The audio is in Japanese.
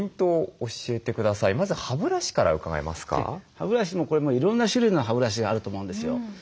歯ブラシもこれいろんな種類の歯ブラシがあると思うんですよ。